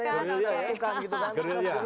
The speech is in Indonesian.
ada yang mempertukang gitu kan